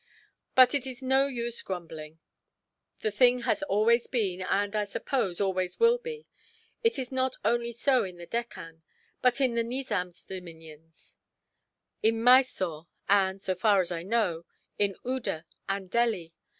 But it is no use grumbling; the thing has always been, and I suppose always will be. It is not only so in the Deccan, but in the Nizam's dominions, in Mysore and, so far as I know, in Oude and Delhi.